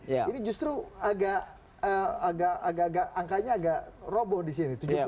ini justru agak agak angkanya agak roboh di sini